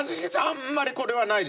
あんまりこれはないでしょ？